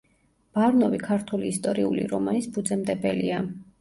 ბარნოვი ქართული ისტორიული რომანის ფუძემდებელია.